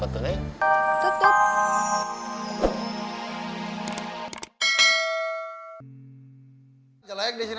jalan disini kalau dimana